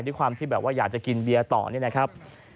ด้วยความที่แบบว่าอยากจะกินเบียร์ต่อนี่นะครับ